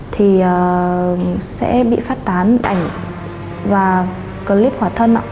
thì sẽ bị phát tán ảnh và clip khỏa thân ạ